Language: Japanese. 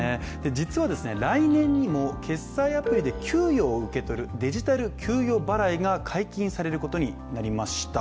実は来年にも決済アプリで給与を受け取るデジタル給与払いが解禁されることになりました。